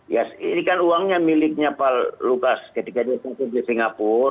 ya ini kan uangnya miliknya pak lukas ketika dia sakit di singapura